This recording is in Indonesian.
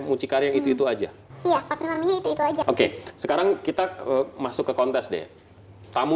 mucikari yang itu itu aja iya itu aja oke sekarang kita masuk ke kontes deh kamu